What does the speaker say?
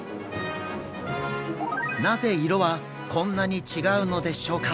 なぜ色はこんなに違うのでしょうか？